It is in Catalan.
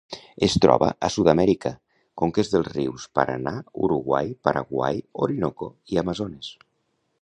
Es troba a Sud-amèrica: conques dels rius Paranà, Uruguai, Paraguai, Orinoco i Amazones.